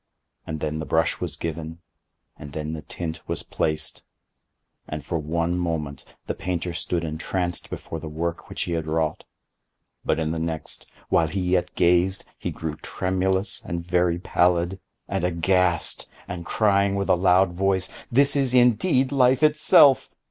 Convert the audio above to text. And then the brush was given, and then the tint was placed; and, for one moment, the painter stood entranced before the work which he had wrought; but in the next, while he yet gazed, he grew tremulous and very pallid, and aghast, and crying with a loud voice, 'This is indeed Life itself!